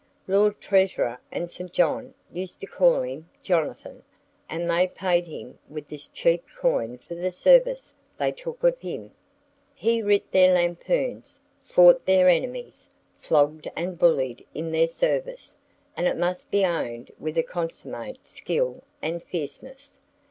Lord Treasurer and St. John used to call him Jonathan, and they paid him with this cheap coin for the service they took of him. He writ their lampoons, fought their enemies, flogged and bullied in their service, and it must be owned with a consummate skill and fierceness.